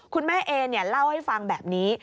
คุณแม่เอเล่าให้ฟังแบบนี้